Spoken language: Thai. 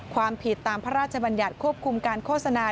ความผิดตามพระราชบัญญัติควบคุมการโฆษณา